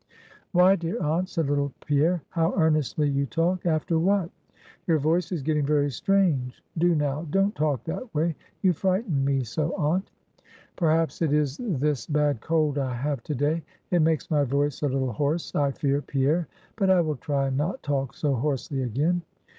"Why, dear aunt," said little Pierre, "how earnestly you talk after what? your voice is getting very strange; do now; don't talk that way; you frighten me so, aunt." "Perhaps it is this bad cold I have to day; it makes my voice a little hoarse, I fear, Pierre. But I will try and not talk so hoarsely again.